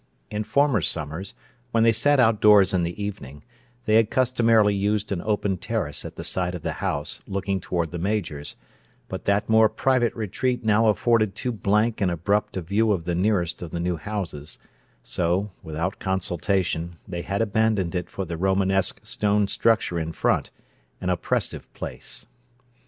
In former summers, when they sat outdoors in the evening, they had customarily used an open terrace at the side of the house, looking toward the Major's, but that more private retreat now afforded too blank and abrupt a view of the nearest of the new houses; so, without consultation, they had abandoned it for the Romanesque stone structure in front, an oppressive place.